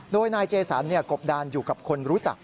โดยนายเจสันกบดานอยู่กับคนรู้จัก